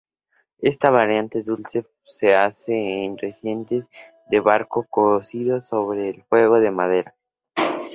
Esta variante dulce se hace en recipientes de barro cocido sobre fuego de madera.